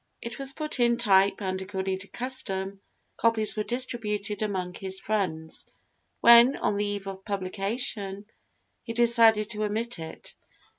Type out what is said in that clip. It was put in type and, according to custom, copies were distributed among his friends, when, on the eve of publication, he decided to omit it.